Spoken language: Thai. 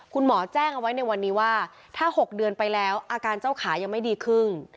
คุณหมอแจ้งเอาไว้ในวันนี้ว่าถ้า๖เดือนไปแล้วอาการเจ้าขายังไม่ดีขึ้น